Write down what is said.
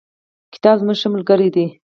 کتاب زموږ ښه ملگری دی.